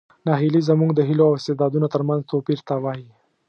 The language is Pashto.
ناهیلي زموږ د هیلو او استعدادونو ترمنځ توپیر ته وایي.